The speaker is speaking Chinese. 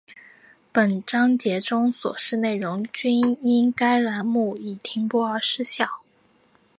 本章节中所示内容均因该栏目已停播而失效